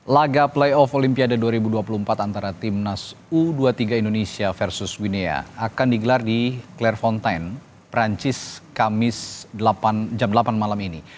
laga playoff olimpiade dua ribu dua puluh empat antara timnas u dua puluh tiga indonesia versus winea akan digelar di clear fountain perancis kamis jam delapan malam ini